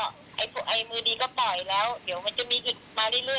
มันก็เป็นข่าวไปแล้วคุณก็คงไหนค่ะก็รู้กันแล้วว่าเออ